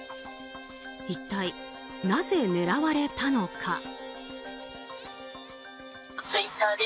一体なぜ狙われたのか？